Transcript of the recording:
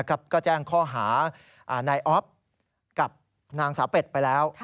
ก็แจ้งข้อหานายอ๊อฟกับนางสาวเป็ดไปแล้ว